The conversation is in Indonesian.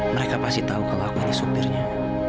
mereka pasti tahu kalau aku ini supirnya